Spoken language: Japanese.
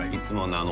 あの